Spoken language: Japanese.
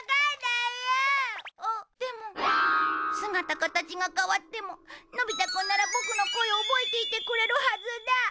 あっでも姿形が変わってものび太くんならボクの声を覚えていてくれるはずだ。